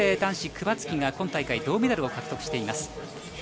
２人目で男子、クバツキが今大会、銅メダルを獲得しています。